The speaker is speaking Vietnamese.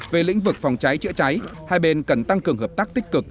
về lĩnh vực phòng cháy chữa cháy hai bên cần tăng cường hợp tác tích cực